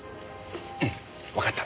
うんわかった。